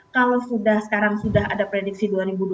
kalau sudah sekarang sudah ada prediksi dua ribu dua puluh